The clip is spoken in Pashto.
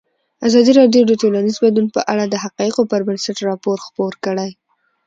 ازادي راډیو د ټولنیز بدلون په اړه د حقایقو پر بنسټ راپور خپور کړی.